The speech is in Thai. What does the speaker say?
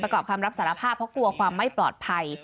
ประกอบคำรับสารภาพเพราะกลัวความไม่ปลอดภัย